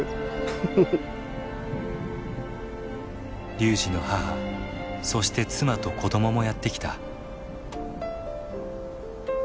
龍司の母そして妻と子どももやって来た。